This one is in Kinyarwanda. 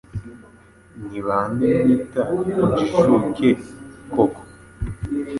Nibande mwita injijuke koko